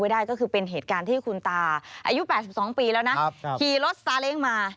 อายุ๘๒ปีแล้วนะขี่รถซาเล้งมา